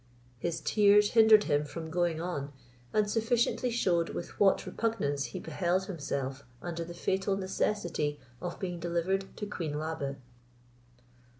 His tears hindered him from going on, and sufficiently shewed with what repugnance he beheld himself under the fatal necessity of being delivered to queen Labe.